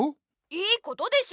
良いことでしょ！